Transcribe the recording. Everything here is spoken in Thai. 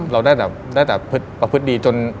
เราได้แต่ประพฤติดี